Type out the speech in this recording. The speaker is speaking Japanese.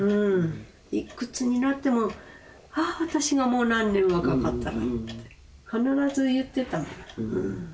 いくつになっても「ハア私がもう何年若かったら」って必ず言ってたもん。